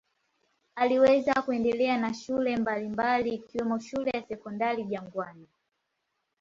Aliweza kuendelea na shule mbalimbali ikiwemo shule ya Sekondari Jangwani.